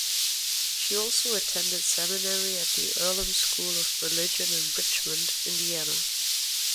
She also attended seminary at the Earlham School of Religion in Richmond, Indiana.